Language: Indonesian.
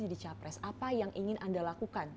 jadi capres apa yang ingin anda lakukan